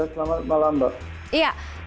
selamat malam mbak